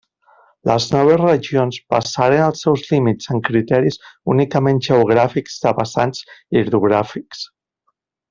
Les noves regions basaren els seus límits en criteris únicament geogràfics de vessants hidrogràfics.